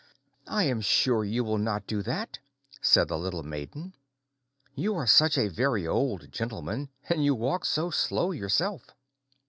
"I am sure you will not do that," said the little maiden. "You are such a very old gentleman, and walk so slow yourself."